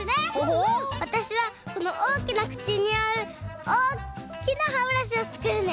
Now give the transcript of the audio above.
わたしはこのおおきなくちにあうおっきなはぶらしをつくるね。